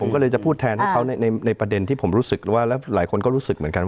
ผมก็เลยจะพูดแทนให้เขาในประเด็นที่ผมรู้สึกว่าแล้วหลายคนก็รู้สึกเหมือนกัน